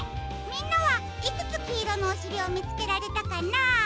みんなはいくつきいろのおしりをみつけられたかな？